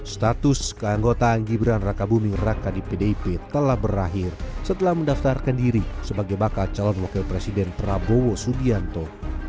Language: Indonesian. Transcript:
status keanggotaan gibran raka buming raka di pdip telah berakhir setelah mendaftarkan diri sebagai bakal calon wakil presiden prabowo subianto